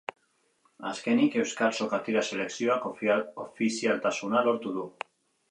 Azkenik, euskal sokatira selekzioak ofizialtasuna lortu du.